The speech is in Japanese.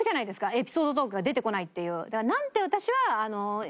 エピソードトークが出てこないっていう。